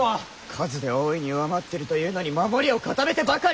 数で大いに上回ってるというのに守りを固めてばかり！